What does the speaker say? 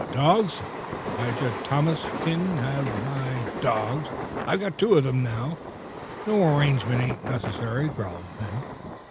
"Eh! Dogs! Lige Thomas kin have my dogs I've got two of them now. No arrangement ain't necessary," growled Ben.